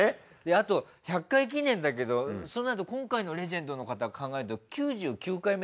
あと１００回記念だけどそうなると今回のレジェンドの方考えると。